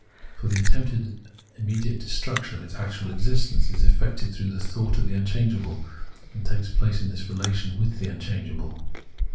For the attempted immediate destruction of its actual existence is effected through the thought of the unchangeable and takes place in this relation to the unchangeable.